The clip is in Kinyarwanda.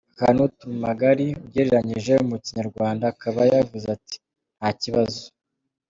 hunua tu magari ugereranyije mu Kinyarwanda akaba yavuze ati Nta kibazo.